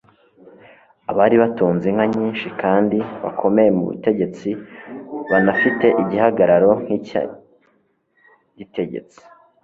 Abari batunze inka nyinshi kandi bakomeye mu butegetsi, banafite igihagararo nk'icya gitegetsi,